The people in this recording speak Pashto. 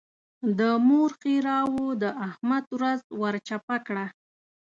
د مور ښېراوو د احمد ورځ ور چپه کړه.